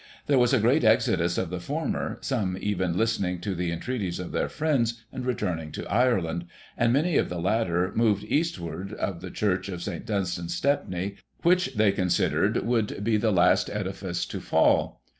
There was a great exodus of the former, some even listening to the entreaties of their friends, and returning to Ireland, and many of the latter moved eastward of the church of St Dunstan*s, Stepney, which they considered would be the last edifice to fall.